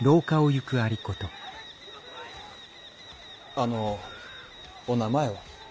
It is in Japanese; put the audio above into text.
あのお名前は。